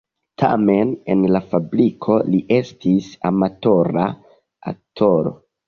Tamen en la fabriko li estis amatora aktoro.